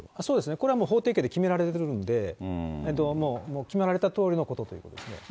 これは法定刑で決められるんで、決められたとおりのことということですね。